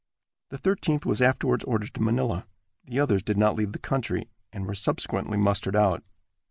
The Thirteenth was afterwards ordered to Manila. The others did not leave the country, and were subsequently mustered out.